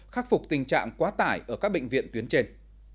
khắc phục tình trạng quá tải ở các bệnh viện tuyến trên